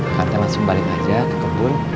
kita langsung balik aja ke kebun